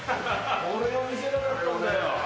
これを見せたかったんだよ。